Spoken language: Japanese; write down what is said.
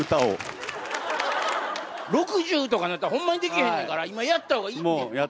６０とかなったらホンマにできへんねんから今やった方がいいって。